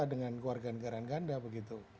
dengan keluarga negaraan ganda begitu